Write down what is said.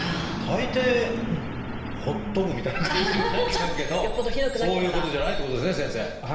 大抵ほっとくみたいな感じになっちゃうけどそういうことじゃないってことですね先生。